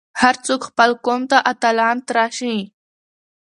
هر څوک خپل قوم ته اتلان تراشي.